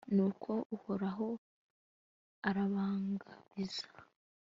nuko uhoraho arabangabiza